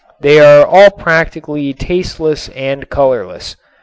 They are all practically tasteless and colorless.